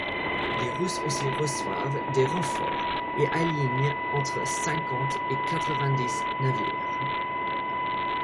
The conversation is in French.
Les russes aussi reçoivent des renforts et alignent entre cinquante et quatre-vingt-dix navires.